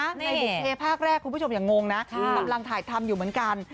บุคเทภาคแรกคุณผู้ชมอย่างงงนะกำลังถ่ายทำอยู่เหมือนกัน